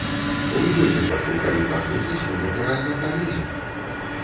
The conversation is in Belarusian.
У любым выпадку, калі паклічуць, мы, натуральна, паедзем!